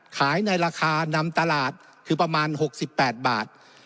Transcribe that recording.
ในราคานำตลาดคือประมาณ๖๘บาท